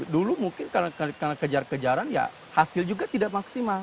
dulu mungkin karena kejar kejaran ya hasil juga tidak maksimal